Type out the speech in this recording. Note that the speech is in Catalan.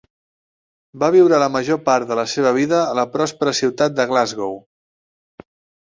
Va viure la major part de la seva vida a la pròspera ciutat de Glasgow.